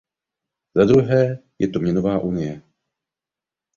Za druhé je to měnová unie.